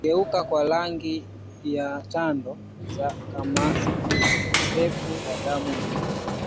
Kugeuka kwa rangi ya tando za kamasi ukosefu wa damu mwilini